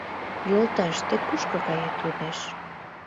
— Йолташ, тый кушко кает? — йодеш.